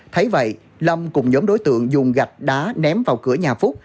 thấy vậy lâm cùng nhóm đối tượng dùng gạch đá ném vào cửa nhà phúc